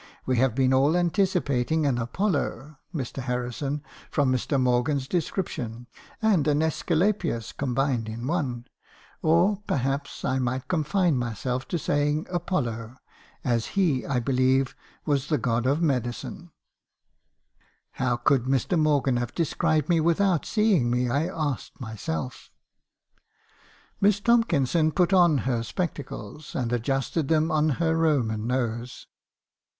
We have been all antici pating an Apollo, Mr. Harrison, from Mr. Morgan's descrip tion, and an jEsculapius combined in one; or, perhaps I might confine myself to saying Apollo , as he , I believe , was the God of Medicine!' "How could Mr. Morgan have described me without seeing me? I asked myself. "Miss Tomkinson put on her spectacles , and adjusted them on her Roman nose.